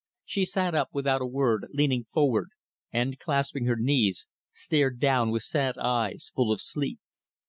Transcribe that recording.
She sat up without a word, leaning forward, and, clasping her knees, stared down with sad eyes, full of sleep.